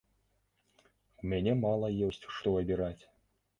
У мяне мала ёсць што абіраць.